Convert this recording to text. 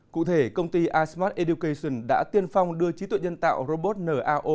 cụ thể công ty ismart education đã tiên phong đưa trí tuệ nhân tạo robot nao